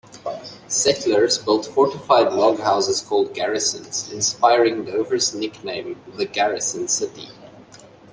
Settlers built fortified log houses called garrisons, inspiring Dover's nickname The Garrison City.